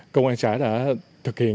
công an xã đã thực hiện